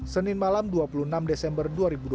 senin malam dua puluh enam desember dua ribu dua puluh